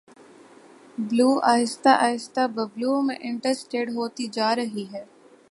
بلو آہستہ آہستہ ببلو میں انٹرسٹیڈ ہوتی جا رہی ہے